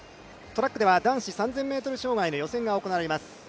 トラックでは男子３０００ｍ障害の予選が行われます。